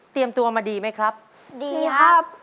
เตรียมตัวมาดีไหมครับดีครับดีครับ